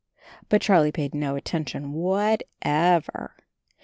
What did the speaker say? But Charlie paid no attention whatever.